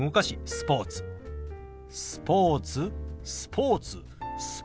「スポーツ」「スポーツ」「スポーツ」。